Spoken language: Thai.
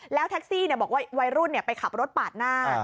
แล้วแท็กซี่บอกว่าวัยรุ่นไปขับรถปาดหน้า